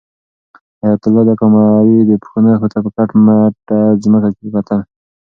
حیات الله د قمرۍ د پښو نښو ته په کټ مټه ځمکه کې کتل.